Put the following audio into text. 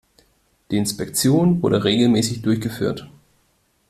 Die Inspektion wurde regelmäßig durchgeführt.